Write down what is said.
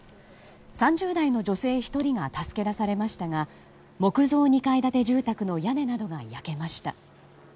３０代の女性１人が助け出されましたが木造２階建て住宅の屋根などが焼けました。